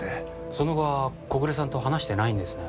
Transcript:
その後は小暮さんと話してないんですね？